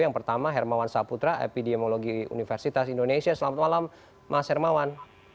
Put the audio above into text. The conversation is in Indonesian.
yang pertama hermawan saputra epidemiologi universitas indonesia selamat malam mas hermawan